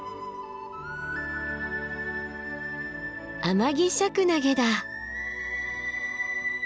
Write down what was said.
アマギシャクナゲだ。